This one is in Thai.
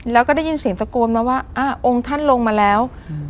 แล้วก็ได้ยินเสียงตะโกนมาว่าอ่าองค์ท่านลงมาแล้วอืม